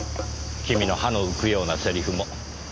君の歯の浮くようなセリフも。